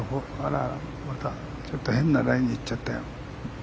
またちょっと変なラインに行っちゃったよ。